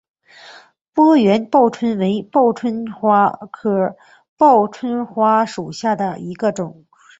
波缘报春为报春花科报春花属下的一个种。